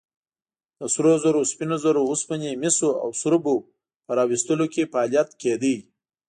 د سرو زرو، سپینو زرو، اوسپنې، مسو او سربو په راویستلو کې فعالیت کېده.